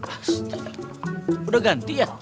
astaga udah ganti ya